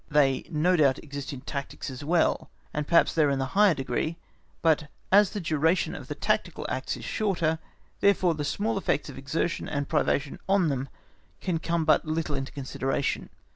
They no doubt exist in tactics as well, and perhaps there in the highest degree; but as the duration of the tactical acts is shorter, therefore the small effects of exertion and privation on them can come but little into consideration.